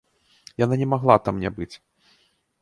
Яна не магла там не быць.